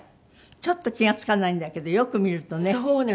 ちょっと気が付かないんだけどよく見るとねビックリしちゃう。